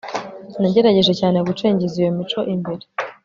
nagerageje cyane gucengeza iyo mico imbere